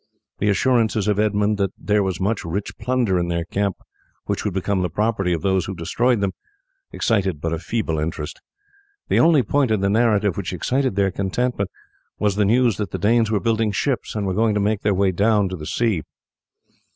The assurances of Edmund that there was much rich plunder in their camp which would become the property of those who destroyed them, excited but a feeble interest. The only point in the narrative which excited their contentment was the news that the Danes were building ships and were going to make their way down to the sea.